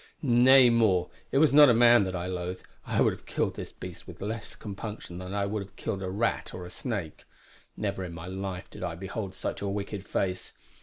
Nay more, it was not a man that I loathed; I would have killed this beast with less compunction than I would kill a rat or a snake. Never in my life did I behold such a wicked face.